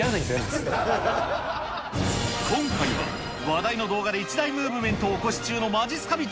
話題の動画で一大ムーブメントを起こし中のまじっすか人。